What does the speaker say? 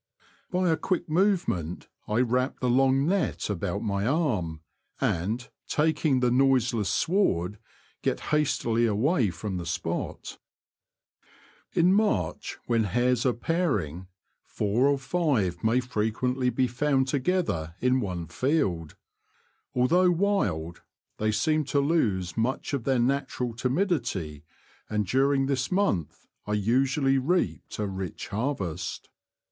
By a quick movement I wrap the long net about my arm, and, taking the noiseless sward, get hastily away from the spot. The Confessions of a Poacher. 67 In March, when hares are pairing, four or five may frequently be found together in one field. Although wild, they seem to lose much of their natural timidity, and during this month I usually reaped a rich harvest.